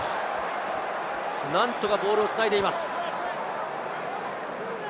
何とかボールを繋いでいます。